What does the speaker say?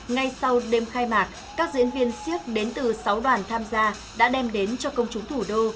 ngay sau đêm khai mạc các diễn viên siếc đến từ sáu đoàn tham gia đã đem đến cho công chúng thủ đô